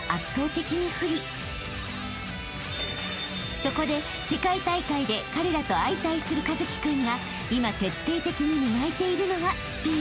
［そこで世界大会で彼らと相対する一輝君が今徹底的に磨いているのがスピード］